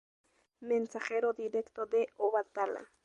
Mensajero directo de Obatalá.